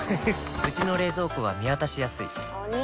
うちの冷蔵庫は見渡しやすいお兄！